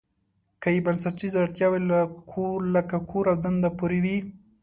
که یې بنسټیزې اړتیاوې لکه کور او دنده پوره وي.